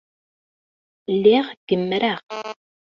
Lliɣ gemmreɣ.